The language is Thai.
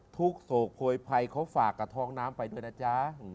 โศกโพยภัยเขาฝากกับท้องน้ำไปด้วยนะจ๊ะ